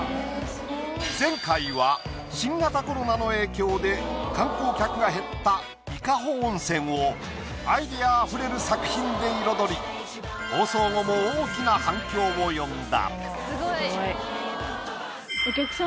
前回は新型コロナの影響で観光客が減った伊香保温泉をアイデアあふれる作品で彩り放送後も大きな反響を呼んだ。